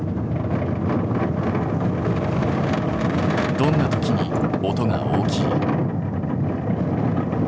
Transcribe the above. どんな時に音が大きい？